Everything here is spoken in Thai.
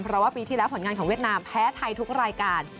เพราะว่าปีที่แล้วผลงานของเวียดนามแพ้ไทยทุกรายการ